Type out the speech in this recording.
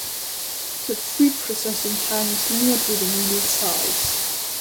The preprocessing time is linear to the needle size.